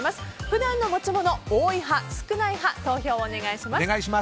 普段の持ち物、多い派少ない派投票をお願いします。